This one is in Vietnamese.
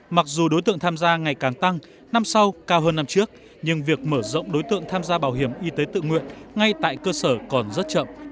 mặc dù đối tượng tham gia ngày càng tăng năm sau cao hơn năm trước nhưng việc mở rộng đối tượng tham gia bảo hiểm y tế tự nguyện ngay tại cơ sở còn rất chậm